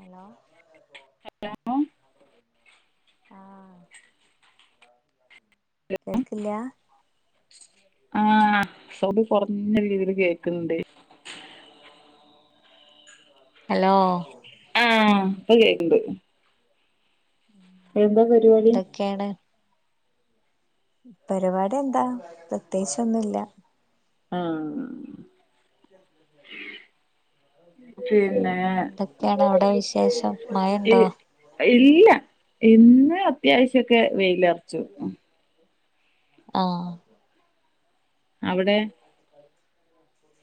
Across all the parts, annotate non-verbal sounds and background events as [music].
Hello ആഹ് കേൾക്ക്ല്ലാ? ആഹ് സൗഡ് കൊർഞ്ഞ രീതിയിൽ കേൾക്ക്ണ് ഇണ്ട്. ഹലോ ആഹ് അപ്പ കേക്ക് ഇണ്ട് എന്താ പരിപാടി? ക്കെയാണ് പരിപാടി എന്താ പ്രത്യേകിച്ചൊന്നും ഇല്ല. ആഹ് പിന്നെ എന്തൊക്കെയാണ് അവ്ടെ വിശേഷം? മഴ ഇണ്ടോ? ഇല്ലാ. ഇന്ന് അത്യാവ്ശ്യം ഒക്കെ വെയിൽ അർച്ചു. ആഹ് അവ്ടെ?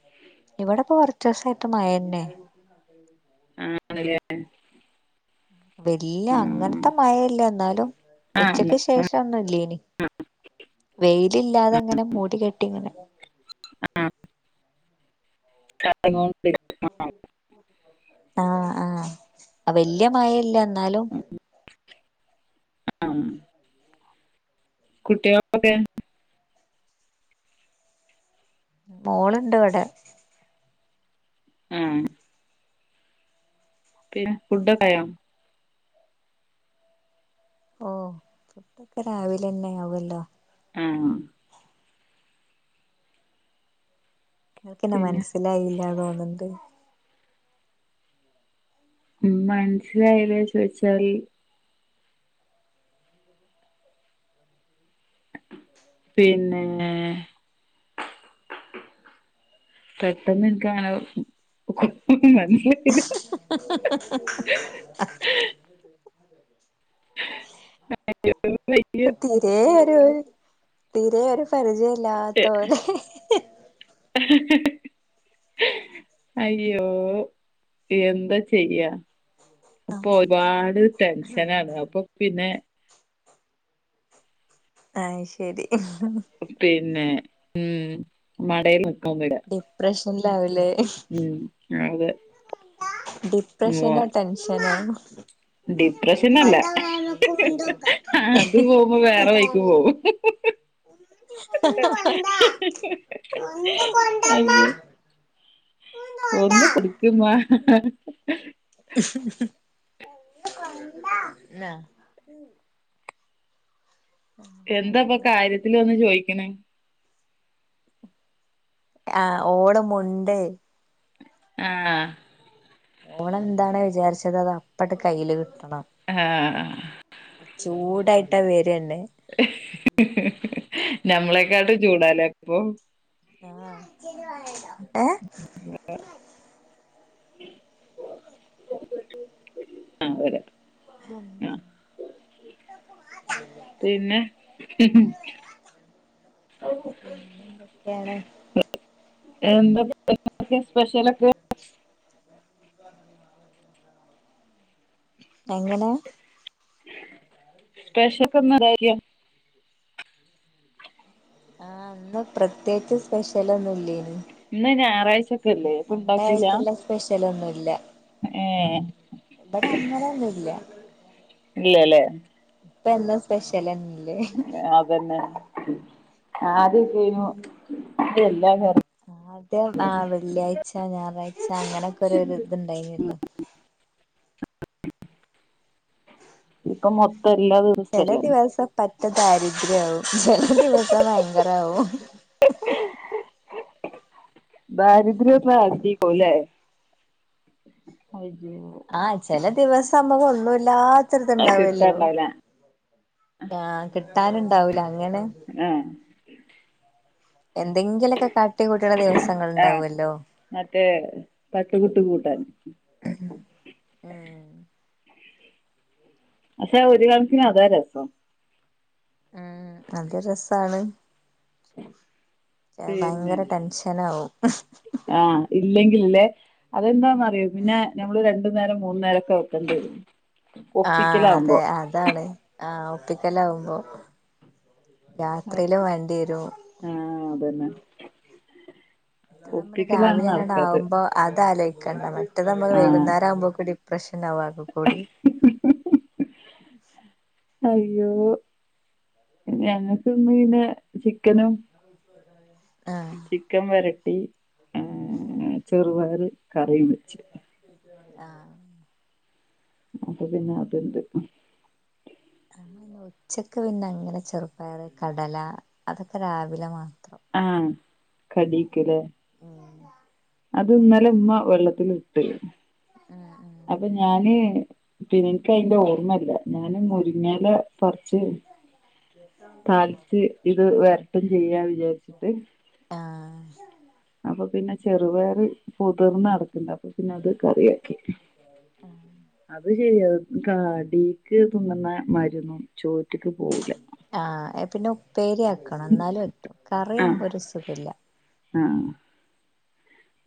[inaudible] ഇവടെ ഇപ്പോ കൊർച്ചുസായിട്ട് മഴയെന്നെ ആഹ് ആണ് ലെ വെല്ല്യ അങ്ങൻത്തെ മഴ ഇല്ല എന്നാലും ആഹ് ഉച്ചെക്ക് ശേഷം ഒന്നും ഇല്ലെയ്നി വെയിൽ ഇല്ലാതെ ഇങ്ങനെ മൂടി കെട്ടി ഇങ്ങനെ അഹ് ആഹ് [unintelligible] ആഹ് ആഹ് അ വെല്ല്യ മഴ ഇല്ല ഇന്നാലും ഉം അഹ് അം കുട്ടിയാൾ ഒയുടെ? മോൾ ഇണ്ട് ഇവടെ. ആഹ് പിന്നെ ഫുഡൊക്കെ ആയോ? ഓഹ് ഫുഡൊക്കെ രാവിലെന്നെ ആവെല്ലോ. ആഹ് ഇങ്ങെക്ക് ഇന്നെ പിന്നെ മൽസ്സിലായില്ലാ തോന്ന്ണ്ട്. ഉം മൽസ്സിലായിലെ ചോയിച്ചാൽ. പിന്നെ പെട്ടെന്ന് ഇൻക്ക് അങ്ങനെ മൻസിലായിലാ. തീരെ ഒരു [unintelligible] തീരെ ഒര് പരിജെയം ഇല്ലാത്ത പോലെ. അയ്യോ എന്താ ചെയ്യാ? ഇപ്പം ഒര്പാട് ടെൻഷനാണ് അപ്പൊ പിന്നെ അഹ് ശരി. പിന്നെ ഉം മടെയിൽ [unintelligible] ഡിപ്രഷെൻലാവും ലെ? ഉം ആതെ ഡിപ്രഷനോ? ടെൻഷനോ? ഡിപ്രഷനല്ല ആഹ് അത് പോകുമ്പോ വേറെ വയ്ക്കു പോകും. അയ്യെ ഒന്ന് കുടിക്കുമാ. ന എന്താപ്പൊ അങ്ങനെ കാര്യത്തില് വന്ന് ചോയ്ക്ക്ണ് ആഹ് ഓള് മുണ്ടെയ് ആഹ് ഓളെന്താണ് വിചാരിച്ചത് അത് അപ്പട്ട് കയ്യ്ല് കിട്ടണം. ആഹ്ആഹ് ചൂടായിട്ട വെര്ന്നെ. നമ്മളെക്കാട്ടു ചൂടാലേ ഇപ്പൊ. ആഹ് ഏഹ് [unintelligible] [unintelligible] ആഹ് വര. ന [unintelligible] പിന്നെ [unintelligible] പിന്നെ ന്തെക്കേണ് എന്താപ്പോ വെയ്ന്നാരത്തിന് സ്പെഷ്യലൊക്കെ എങ്ങനെ സ്പെഷ്യ [unintelligible] ആഹ് ഇന്ന് പ്രത്യേച്ച് സ്പെഷ്യലൊന്നുല്ലെയ്നി ഇന്ന് ഞായറാഴ്ചൊക്കെല്ലേ പ്പൊ ഇണ്ടാക്കിലാ. ആയിട്ടുള്ള സ്പെഷ്യലൊന്നുല്ല ഏഹ് ഇബടങ്ങനൊന്നുല്ല. ഇല്ലല്ലേ. ഇപ്പെന്നും സ്പെഷ്യലന്നെല്ലേ. അതന്നെ ആദ്യക്കെയ്‌നു എല്ലാ നേ ആദ്യം ആഹ് വെള്ളിയാഴ്ച ഞായറാഴ്ച അങ്ങനൊക്കെ ഒരൊരു ത് ഇണ്ടായിനല്ലോ. ഇപ്പ മൊത്തം എല്ലാ ദ് ചെല ദിവസം പറ്റ ദാരിദ്ര്യാവും ചെല ദിവസം ഭയങ്കരാവും. ദാരിദ്ര്യം ന്നാ അടി പോ [unintelligible] ലേ [unintelligible] ആഹ് ചെല ദിവസം അമ്മക്ക് ഒന്നൂല്ലാ അത് ത്തര്ത്ണ്ടാവല്ലോ. കിട്ടാണ്ടാവൂല ആഹ് കിട്ടാന്ണ്ടാവൂല അങ്ങനെ ഏഹ് എന്തെങ്കിലൊക്കെ കാട്ടി കൂട്ട്ണ ദിവസങ്ങൾ ആഹ് ഇണ്ടാവൊല്ലോ. മറ്റേ പത്ത്കൂട്ട് കൂട്ടാൻ [unintelligible] ഉം പശ്ശെ ഒരു കണക്കിന് അതാ രസം. ആഹ് അത് രസാണ്. [inaudible] ഞാ ഭയങ്കര ടെൻഷനാവും. ആഹ് ഇല്ലെങ്കിൽല്ലേ അതെന്താന്നറിയോ പിന്നെ നമ്മള് രണ്ടു നേരം മൂന്നു നേരൊക്കെ വെക്ക് ക്കണ്ടിയെരും ആഹ്, അതെ അതാണ്. ആഹ് ഒപ്പിക്കലാവുമ്പോ അത് രാത്രിയിലും വേണ്ടിയെരും. ആഹ്, അതന്നെ അത് നമ്മള് ഒപ്പിക്കലാണ് രാവിലെന്നട് നടക്കാത്ത്. ആവുമ്പോ അത് ആലോയ്ക്കണ്ട മറ്റേത് അമ്മക് വൈകുന്നേരം ആവുമ്പോക്ക് ഡിപ്രഷൻ ആവും ആകെ കൂടി. [inaudible] അയ്യോ ഞങ്ങക്ക്ന്ന് പിന്നെ ചിക്കനും. ആഹ് ചിക്കൻ വരട്ടി. ഏഹ് ചെറുപയർ കറിം വെച്ച്. ആഹ് അപ്പൊ പിന്നെ അത്ണ്ട്. [inaudible] ഉച്ചക്ക് പിന്നെ അങ്ങനെ ചെറുപയർ കടല അതൊക്കെ രാവിലെ മാത്രം. ആഹ് കടീക് ലെ ഉം അത് ഇന്നലെ മ്മ വെള്ളത്തിലിട്ട്. ആഹ് അഹ് അപ്പൊ ഞാന് പിന്നെനിക്ക് അയ്ന്റെ ഓർമ്മല്ല ഞാന് മുരിങ്ങാല പറിച്. താളിച് ഇത് വരട്ടും ചെയ്യാ വിചാരിച്ചിട്ട്. ആഹ് അപ്പൊ പിന്നെ ചെറുപയർ പുതിർന്ന് അടക്ക്ണ്ട് അപ്പൊ പിന്നെ അത് കറിയാക്കി ആഹ് അത് ശെരിയാണ് കടീക്ക് തിന്ന്ണ മാരിയൊന്നും ചോറ്റിക്ക് പോവൂല. ആഹ്, എ പിന്നെ ഉപ്പേരി ആക്കണം ന്നാലുപറ്റും കറിആവുമ്പോ ഒരു സുഖല്ല. ആഹ്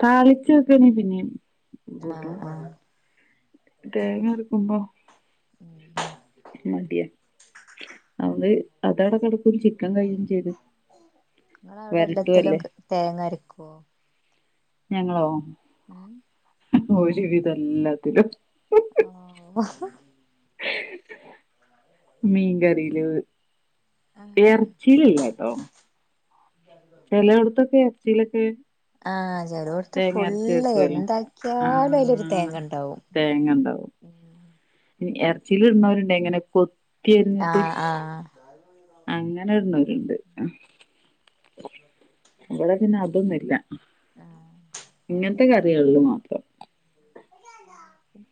താളിച്ചൊക്കേ പിന്നിം ആഹ് കൂട്ടും. ആഹ് തേങ്ങ അരക്കുമ്പോ മടിയാ അവോണ്ട് അതവടെ കടക്കും ചിക്കൻ കഴിയും ചെയ്ത്. ഇങ്ങളെ അവിടെ എല്ലത്തിലും വരട്ടുവല്ലേ തേങ്ങ അരക്കോ? ഞങ്ങളോ? ഏഹ് ഒരു വിധല്ലാത്തിലും ആഹ് മീൻ കറീല് ആഹ് ഏർച്ചിയിലില്ലാട്ടോ. [inaudible] ചെലോട്ത്തൊക്കെ എറച്ചീലൊക്കെ ആഹ്, ചെലോട്ത് ഫുള്ള് വെക്കുവല്ലോ എന്താക്കിയാലും അയിലൊരു തേങ്ങ ണ്ടാവും. തേങ്ങണ്ടാവും എർച്ചീല് ഇടുന്നവരുണ്ട് എങ്ങനെ കൊത്തിയരിഞ്ഞിട്ട് ആഹ് ആഹ് അങ്ങനെ ഇട്‌ന്നോര്ണ്ട് ഇവിടെ പിന്നെ അതൊന്നുല്ല ആഹ് ഇങ്ങൻത്തെ കറികളില് മാത്രം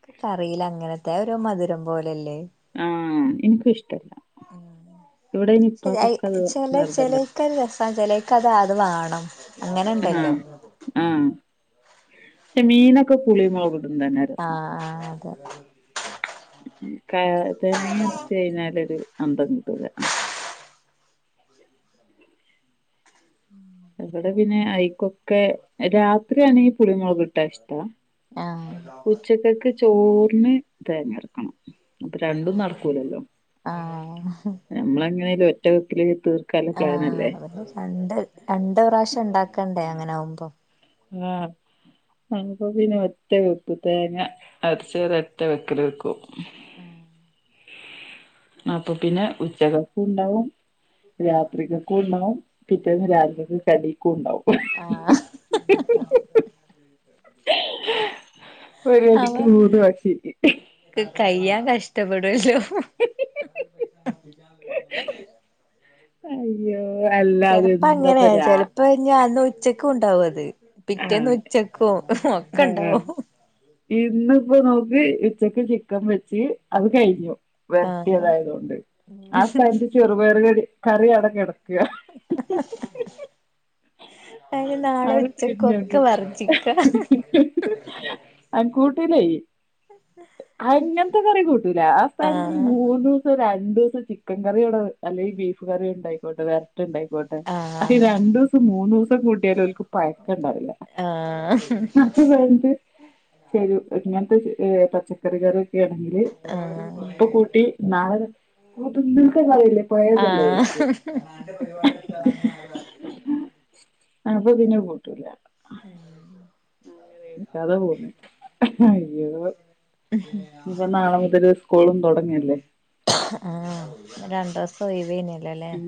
ക്ക് കറീല് അങ്ങനത്തെ ഒരു മധുരം പോലല്ലേ ആഹ് ഇൻക്ക് ഇഷ്ടല്ല ഇവിടെയ്നി ഇപ്പാക്കൊക്കെ അത് നിർബന്ധ ക്ക ഒരു രസാൺചാല് ഇക്കത് അത് വാണം ആഹ് അങ്ങനെണ്ടല്ലോ ആഹ് ക്ഷെ മീനൊക്കെ പുളി മുളക് ക്കുന്നന്നാ രസം ആഹ് ആഹ് അതെ ക തേങ്ങ അരച്ച് കഴിഞ്ഞാലൊരു അന്തം കിട്ടൂല ഇവിടെ പിന്നെ ഐക്കൊക്കെ രാത്രിയാണെങ്കിൽ പുളി മുളക് ഇ ട്ട ഇഷ്ടാ ഉച്ചക്കക്ക് ചോറിന് തേങ്ങാരക്കണം അപ്പൊ രണ്ടും നടക്കൂലല്ലോ ആഹ് ആഹ് നമ്മളെങ്ങനേലും ഒറ്റ വെക്കില് തീർ ആഹ് രണ്ട് രണ്ട് പ്രാവശ്യം ഉണ്ടാക്കണ്ടേ അങ്ങനെ ആവുമ്പോ [unintelligible] ഞങ്ങക്ക് പിന്നെ ഒറ്റവെപ്പ് തേങ്ങ അരച്ചോര് ഒറ്റ വെക്കല് വെക്കും ആഹ് അപ്പൊ പിന്നെ ഉച്ചകക്കും ഉണ്ടാവും രാത്രിക്കക്കും ഉണ്ടാവും പിറ്റേന്ന് രാവിലേക്ക് കടിക്കും ഉണ്ടാവും ആഹ് ഒരുവെടിക്ക് മൂന്ന്പക്ഷി ക്കെ കയ്യാൻകഷ്ടപ്പെടൂല്ലോ അയ്യോഅല്ലതേ എന്താപ്പൊരാ ഇപ്പൊഞാൻന്ന് ഉച്ചക്കും ഉണ്ടാവും അത് ആഹ് പിറ്റേന്ന്ഉച്ചക്കും ഒക്കെ ഉണ്ടാവും ഇന്നിപ്പോനോക്ക് ഉച്ചക്ക്ചിക്കൻവെച്ച് അത് കയിഞ്ഞു ആഹ് വരട്ടിയതായതുകൊണ്ട് ആസ്ഥാനത്തു ചെറുപയറുകടി കറിയവിടെകിടക്കും അതിനിനാളെ ഉച്ചക്ക് ക്കൊക്ക വെറുംചിക്കനാ അത് കുട്ടൂല്ലേ അങ്ങനത്തെകറിക്കുട്ടൂല ആസ്ഥാനത്തു ആഹ് മൂന്നും രണ്ട്ദിവസം ചിക്കൻ കറിയോടോ അല്ലെങ്കിൽ ബീഫ്റി ഉണ്ടായിക്കോട്ടെ വെരട്ട ഉണ്ടായിക്കോട്ടെ അ ആഹ് രണ്ടു ദിവസം മൂന്ന് ദിവസം കുട്ടിയാലുംഓല്ക്ക് പയ ണ്ടറില്ല ആഹ് [unintelligible] [unintelligible] ഇങ്ങനത്തെ ഏഹ് പച്ചക്കറികറിയൊക്കെ ആണെങ്കില് ആഹ് ഇപ്പകൂട്ടിനാളെ ചോദിക്കും ആഹ് അപ്പ പിന്നെ കു അങ്ങനെ [unintelligible] പോന്ന് അയ്യോ ഇനിപ്പൊ നാളെമുതല് സ്കൂളും തുടങ്ങല്ലേ ആഹ് രണ്ടു ദിവസം ഇപ്പൊ ഒഴിവെഞ്ഞേലെ ല്ലേ ഉം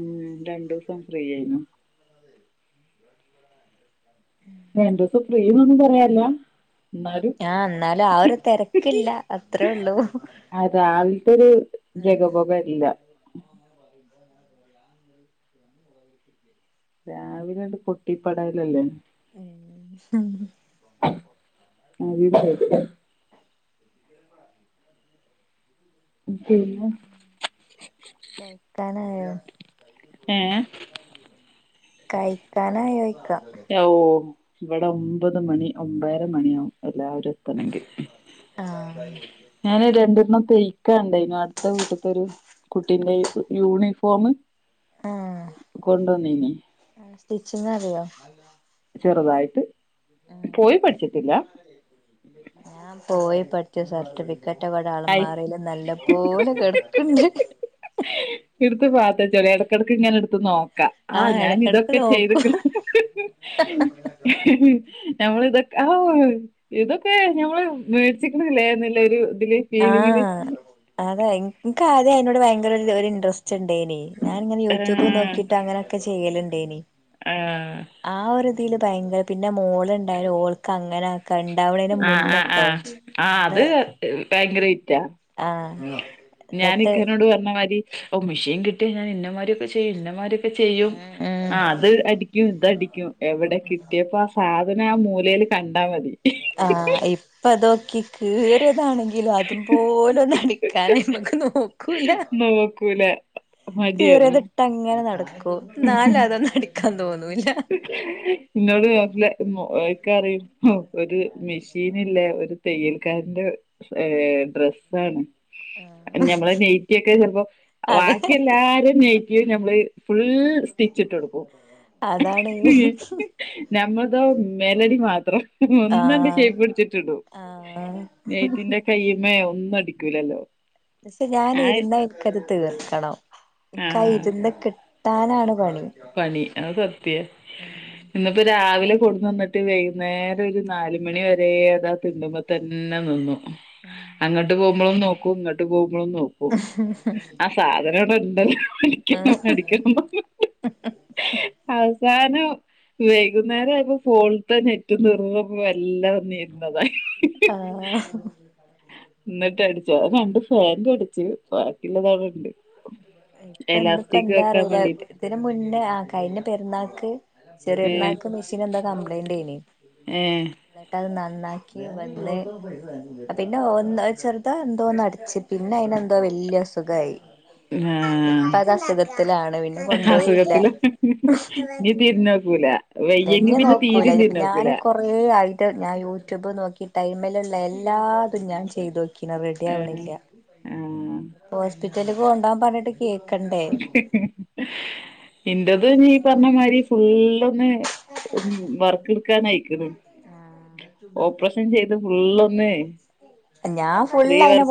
രണ്ടുദിവസം ഫ്രീ യെനു രണ്ടദിവസം ഫ്രീന്നൊന്നും പറയാല്ലാ ആഹ് എന്നാലും ആഒരു തെരക്കില്ല അത്രേള്ളൂ അഹ് രാവിൽ ത്തെഒരു ജഗപോക ഇല്ല രാവിലെട്ട് പൊട്ടി പടലല്ലേ ഉം [inaudible] പിന്നെ കഴിക്കാനായോ കഴിക്കാനയോയിക്കാ ഓ ഇവിടെ ഒമ്പത് മണി ഒമ്പര മണിയാവും എല്ലാവരും എത്തണങ്കിൽ ആഹ് ഞാന് രണ്ടെണ്ണം തയ്ക്കാണ്ടായിന്നു അടുത്ത വീട്ടത്തെരു കുട്ടിന്റെ യൂണിഫോം ആഹ് കൊണ്ടന്നീനി ആഹ് സ്റ്റിച്ചിങ്റിയോ ചെറുതായിട്ട് ആഹ് പോയി പഠിച്ചിട്ടില്ല ഞൻ പോയി പഠിച്ചു സർട്ടിഫി ക്കറ്റ് വട ഐസ് ആളമാറീൽ നല്ല പോലെ കടക്കണ്ട് എടുത്ത് പാത്തച്ചളി ഇടക്കിടക്ക് ഇങ്ങനേ ഇടുത്ത് നോക്കാ ആഹ് ഞാൻ ഇടക്കിടക്ക് ഇതൊക്കെ നോക്കും ചെയ്തിക്ക്ണ് നമ്മള് ഇതൊ ഔ ഇതൊക്കെ ഞമ്മള് വെടിചിക്കണല്ലൊ ലെ ഒരു ഇതില് ഫീലിങ്ങില് ആഹ് അതെ എനക്ക് ആദ്യം അതിനോട് ഭയങ്കര ര് ഇൻറസ്റ്റ് ഉണ്ടയ്നി ഞാന ഇങ്ങനെ യൂട്യൂബ് ആഹ് നോക്കിട്ട് അങ്ങനെയൊക്കെ ചെയ്യല്ണ്ടേനി ആഹ് ആ ഒരു ഇതിൽ ഭയങ്കര പിന്നെ മോളുണ്ടായാല ഓൾക്ക് അങ്ങനെ ക ഇണ്ടാവണീന്റെ ആഹ് ആഹ് മുന്നട്ടോ ആഹ് ആഹ് നമ്മള് അത് ഭയങ്കര വിറ്റാ ആഹ് ഞാന എന്നിട്ട് ഇക്കനോട് പറഞ്ഞ മാരി ഓ മെഷീൻ കിട്ടിയാ ഞാൻ ഇന്നമാരിയൊക്കെ ചെയ്യും ഇന്നമാരിയൊക്കെ ചെയ്യും. ഉം ഉം ആഹ് അത് അടിക്കും ഇതടിക്കും എവിടെ കിട്ടിയപ്പോ ആ സാധനം ആ മൂലേല് കണ്ടാൽ മതി. ആഹ് ഇപ്പതോക്കി കീറിയതാണെങ്കിലും അതു പോലും അടിക്കാനായിമക്ക് നോക്കൂല്ല. നോക്കൂല മടിയാണ് കീറിയതിട്ടങ്ങനെ നടക്കും. ന്നാലും അതൊന്നടിക്കാൻ തോന്നൂല്ല. ന്നോട് മൂപ്പ്ലാൻ ഇക്ക പറിം ഒരു മെഷീനില്ലേ ഒരു തയ്യൽക്കാരന്റെ ഡ്രസ്സാണ്. ആഹ് ഞമ്മളെ നെയ്റ്റിയൊക്കെ ചിലപ്പോ അതെ വാക്കി എല്ലാര നൈറ്റിയും ഞമ്മള് ഫുൾ സ്റ്റിച്ചിട്ട് കൊടുക്കും. അതാണ് ഞമ്മതോ മെലടി മാത്രം. ഒന്നണ്ട് ആഹ് ഷൈപ്പടിച്ചിട്ടിടൂ ആഹ് നെയ്റ്റിന്റെ കയ്യമ്മേ ഒന്നും അടിക്കൂലല്ലോ. ക്ഷെ ഞാൻ ആ ഇരുന്നാ എനിക്കത് തീർക്കണം. ഇക്കാ ആഹ് ഇരുന്ന് കി ട്ടാനാണ് പണി. പണി അത് സത്യ. ഇന്നിപ്പ രാവിലെ കൊണ്ടുന്നന്നിട്ട് വൈകുന്നേരം ഒരു നാല് മണി വരെ അതാ തിണ്ടുമ്പോ തന്നെ നിന്നു. അങ്ങോട്ട് പോകുമ്പളും നോക്കൂ ഇങ്ങട്ട് [unintelligible] ആ [unintelligible] സാധനം ഇവിടെ ഇണ്ട്. ആഹ് അടിക്കണം അ ടിക്കണം [unintelligible] അവസാനം വൈകുന്നേരായപ്പോ ഫോൺത്തെ നെറ്റും തീർന്നൂന്ന് പറഞ്ഞപ്പോ വെല്ല [unintelligible] ആഹ് എന്നിട്ടടിച്ചോ. രണ്ട് ഫാൻഡ് അടിച്ച്. ബാക്കിയുള്ളതവിട്ണ്ട്. ഇപ്പ ഇന്നിപ്പ എന്താ അറിയൂല്ല. വേണ്ടിട്ട് ഇതിന് മുന്നേ ആ കഴിഞ്ഞ പെരുന്നാൾക്ക് ഏ ചെറിയരുന്നാൾക്ക് മിഷീൻ എന്ത കംപ്ലൈന്റെയിനി. ഏ അത് നന്നാക്കി വന്ന് പിന്നെ ഒന്ന് ഒര് ചെറുതാ എന്തോന്ന് അടിച്ചി പിന്നെ അയിനെന്തോ വല്യസുഖായി. ആഹ് പിന്നെ ആഹ് കൊണ്ടോയില്ല അസുഖത്തില് ഇഞ്ഞി തിരിഞ്ഞോക്കൂല. വയ്യെങ്കി പിന്നെ തീരിം തിരിഞ്ഞോക്കൂല. കുറേ ആയിട്ട് ഞാൻ യൂട്യൂബ് നോക്കിട്ടയിമ്മിലുള്ള എല്ലാതും ഞാൻ ചെയ്തോക്കി. ക്കിന് ഏ റെഡിയാവണില്ല. ആ ഹോസ്പിറ്റല് കൊണ്ടോവാൻ പറഞ്ഞിട്ട് കേക്കണ്ടേ. [unintelligible] ഇന്റത് ഞ്ഞി പറഞ്ഞ മാരി ഫുള്ളൊന്ന് ഉം വർക്ക് എടുക്കാനയിക്ക്ണ്. ഓപ്രഷൻ ചെയ്ത് ഫുള്ളൊന്നേ ഞാൻ ഫുള്ള് അയ്നെ പൊ